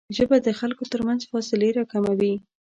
ژبه د خلکو ترمنځ فاصلې راکموي